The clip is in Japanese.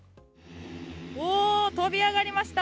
飛び上がりました。